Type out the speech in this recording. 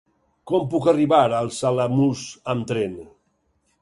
Com puc arribar als Alamús amb tren?